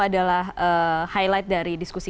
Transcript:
adalah highlight dari diskusi